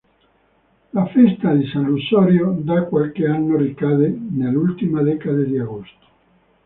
La festa di San Lussorio da qualche anno ricade nell'ultima decade di agosto.